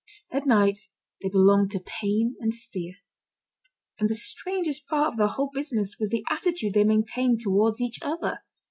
At night they belonged to pain and fear. And the strangest part of the whole business was the attitude they maintained towards each other.